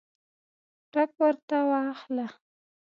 ټګ ورته واخله.